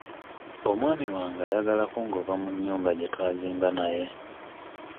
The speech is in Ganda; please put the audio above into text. Omwami wange ayagala kungoba mu nnyumba gye twazimba naye.